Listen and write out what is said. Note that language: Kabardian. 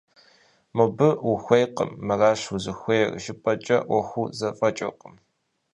Мобы ухуейкъым, мыращ узыхуейр жыпӏэкӏэ ӏуэхур зэфӏэкӏыркъым.